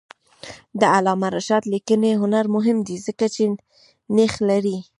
د علامه رشاد لیکنی هنر مهم دی ځکه چې نیښ لري.